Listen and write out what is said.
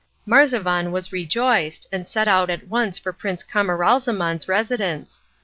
Marzavan was rejoiced, and set out at once for Prince Camaralzaman's residence.